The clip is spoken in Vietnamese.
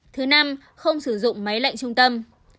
thứ năm không sử dụng máy lệnh trung tâm